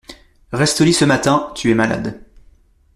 Reste au lit ce matin, tu es malade.